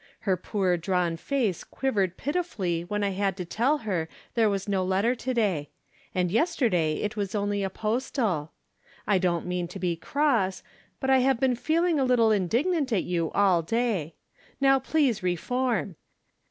Her poor drawn face qiiivered pitifully when I had to tell her there was no letter to day ; and yesterday it was only a postal. I don't mean to be cross, but I have been feeling a little indignant at you all day. Now please reform.